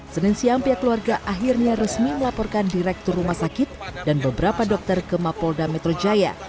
senin siang pihak keluarga akhirnya resmi melaporkan direktur rumah sakit dan beberapa dokter ke mapolda metro jaya